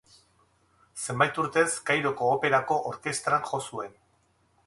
Zenbait urtez Kairoko Operako Orkestran jo zuen.